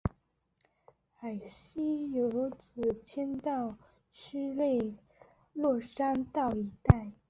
海心庙则迁到区内落山道一带。